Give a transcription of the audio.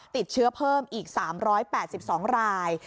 ติดเชื้อเพิ่มอีก๓๘๒ราย